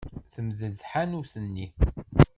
Temdel tḥanut-nni.